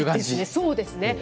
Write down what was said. そうですね。